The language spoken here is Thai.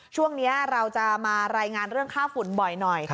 ช่วงนี้เราจะมารายงานเรื่องค่าฝุ่นบ่อยหน่อย